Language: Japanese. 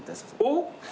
おっ？